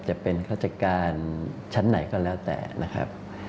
จะเป็นฆาติการชั้นไหนก็แล้วแต่นะครับ